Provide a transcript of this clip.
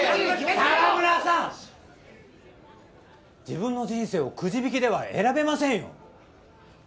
自分の人生をくじ引きでは選べませんよ。